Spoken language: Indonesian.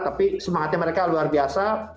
tapi semangatnya mereka luar biasa